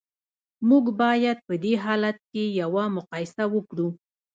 موږ باید په دې حالت کې یوه مقایسه وکړو